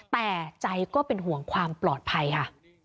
แต่ใจก็เป็นห่วงความปลอดภัยค่ะ